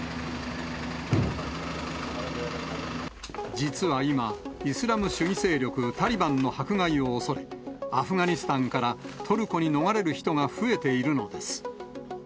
実は今、イスラム主義勢力タリバンの迫害を恐れ、アフガニスタンからトルコに逃れる人が増えているのです。